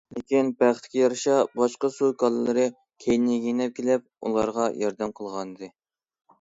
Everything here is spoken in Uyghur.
لېكىن بەختكە يارىشا باشقا سۇ كالىلىرى كەينىگە يېنىپ كېلىپ ئۇلارغا ياردەم قىلغانىدى.